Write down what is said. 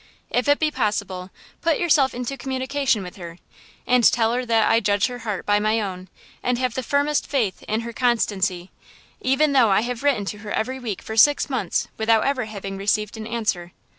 If it be possible, put yourself into communication with her, and tell her that I judge her heart by my own, and have the firmest faith in her constancy, even though I have written to her every week for six months without ever having received an answer.